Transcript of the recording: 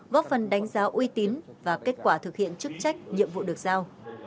góp phần đánh giá uy tín và kết quả thực hiện chức trách nhiệm vụ được giao